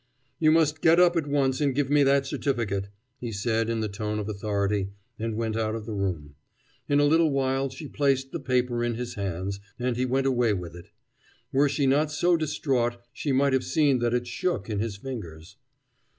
"You must get up at once, and give me that certificate," he said in the tone of authority, and went out of the room. In a little while she placed the paper in his hands, and he went away with it. Were she not so distraught she might have seen that it shook in his fingers.